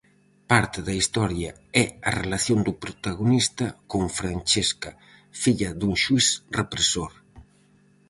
Parte da historia é a relación do protagonista con Francesca, filla dun xuíz represor.